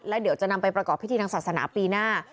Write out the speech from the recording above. แล้วเดี๋ยวจะนำไปประกอบพิธีทางศาสนาปีหน้า